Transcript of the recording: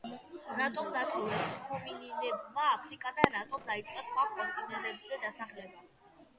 რატომ დატოვეს ჰომინინებმა აფრიკა და რატომ დაიწყეს სხვა კონტინენტებზე დასახლება?